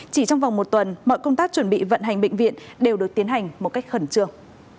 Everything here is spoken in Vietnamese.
chỉ trong vòng một tuần mọi công tác chuẩn bị vận hành bệnh viện đều được tiến hành một cách khẩn trương